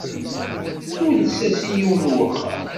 Tules-as i yiwen n wexxam.